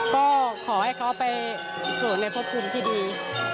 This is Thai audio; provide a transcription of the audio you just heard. ก็ขอให้เขาไปสู่ในพบภูมิที่ดี